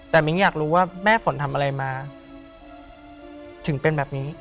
แต่มิ้งอยากรู้ว่าแม่ฝนทำอะไรมาถึงเป็นแบบนี้